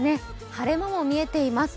晴れ間も見えています。